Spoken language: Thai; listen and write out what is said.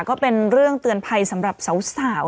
ก็เป็นเรื่องเตือนภัยสำหรับสาว